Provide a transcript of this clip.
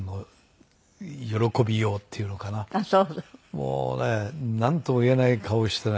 もうねなんとも言えない顔をしてね。